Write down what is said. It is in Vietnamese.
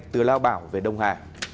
từ lao bảo về đông hà